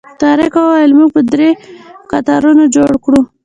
طارق وویل موږ به درې کتارونه جوړ کړو.